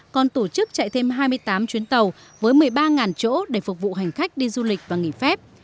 còn tổ chức chạy thêm hai mươi tám chuyến tàu với một mươi ba chỗ để phục vụ hành khách đi du lịch và nghỉ phép